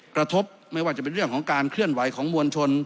กระทบไม่ว่าจะเป็นเรื่องของการเคลื่อนไหวของมวลชน